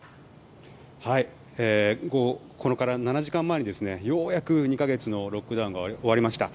今から７時間前にようやく２か月のロックダウンが終わりました。